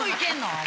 あれ。